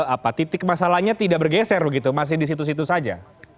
apa titik masalahnya tidak bergeser begitu masih di situ situ saja